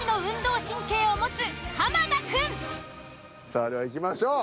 さあではいきましょう。